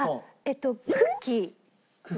クッキー。